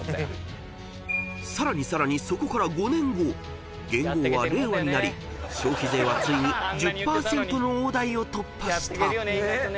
［さらにさらにそこから５年後元号は令和になり消費税はついに１０％の大台を突破した］